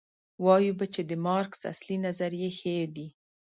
وایو به چې د مارکس اصلي نظریې ښې دي.